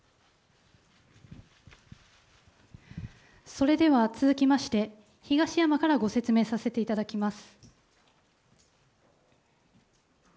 それでは、続きまして、東山からご説明させていただきます。